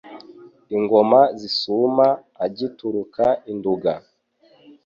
Ingoma zisuma agituruka i Nduga